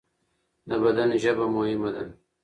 د بدن ژبه مهمه ده.